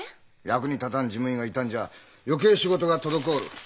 役に立たん事務員がいたんじゃ余計仕事が滞る。